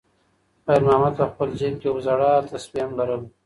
خیر محمد په خپل جېب کې یوه زړه تسبېح هم لرله.